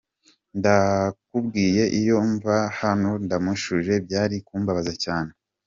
Ndakubwiye iyo mva hano ntamusuhuje, byari kumbabaza cyane.